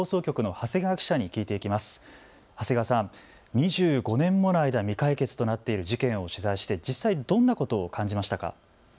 長谷川さん、２５年もの間、未解決となっている事件を取材して実際、どんなことを感じましたか。